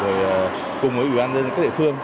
rồi cùng với ủy ban các địa phương